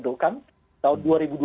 pada tahun dua ribu dua puluh satu